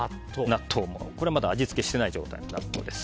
これまだだ味付けしていない状態の納豆です。